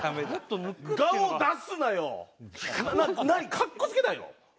格好付けたいの？